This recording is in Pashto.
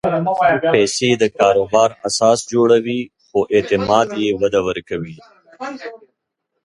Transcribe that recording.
پېسې د کاروبار اساس جوړوي، خو اعتماد یې وده ورکوي.